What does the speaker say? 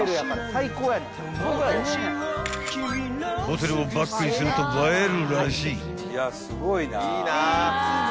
［ホテルをバックにすると映えるらしい］